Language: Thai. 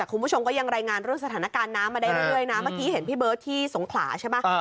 คุณผู้ชมก็ยังรายงานเรื่องสถานการณ์น้ำมาได้เรื่อยนะเมื่อกี้เห็นพี่เบิร์ตที่สงขลาใช่ไหม